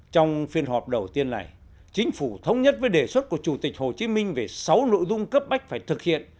trong phiên họp đầu tiên này chính phủ thống nhất với đề xuất của chủ tịch hồ chí minh về sáu nội dung cấp bách phải thực hiện